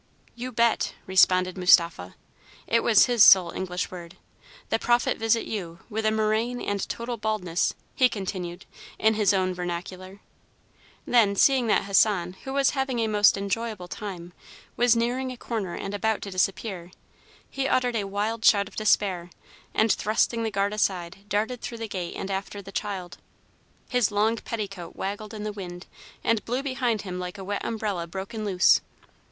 "You bet!" responded Mustapha. It was his sole English word. "The Prophet visit you with a murrain and total baldness!" he continued, in his own vernacular. Then, seeing that Hassan, who was having a most enjoyable time, was nearing a corner and about to disappear, he uttered a wild shout of despair, and, thrusting the guard aside, darted through the gate and after the child. His long petticoat waggled in the wind, and blew behind him like a wet umbrella broken loose.